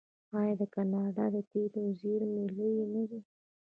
آیا د کاناډا د تیلو زیرمې لویې نه دي؟